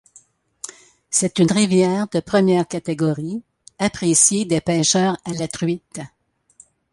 C'est une rivière de première catégorie, appréciée des pêcheurs à la truite.